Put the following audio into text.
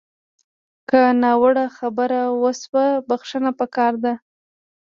که ناوړه خبره وشوه، بښنه پکار ده